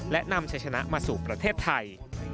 และนำชัยชนะมาสู่ประเทศไทย